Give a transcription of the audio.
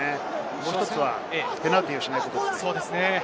もう１つはペナルティーをしないことです。